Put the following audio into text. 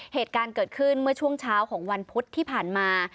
เหตุการณ์เกิดขึ้นเมื่อช่วงเช้าของวันพุธที่ผ่านมา